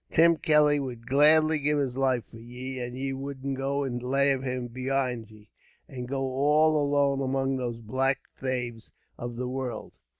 Tim Kelly would gladly give his life for ye, and ye wouldn't go and lave him behind ye, and go all alone among these black thaves of the world."